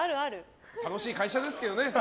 楽しい会社ですけどね。